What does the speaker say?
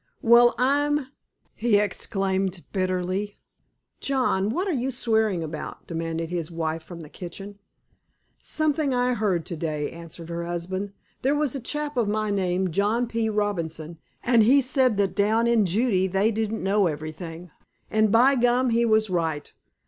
"Well, I'm—," he exclaimed bitterly. "John, what are you swearing about?" demanded his wife from the kitchen. "Something I heard to day," answered her husband. "There was a chap of my name, John P. Robinson, an' he said that down in Judee they didn't know everything. And, by gum, he was right.